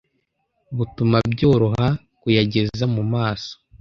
butuma byoroha kuyageza mu maso,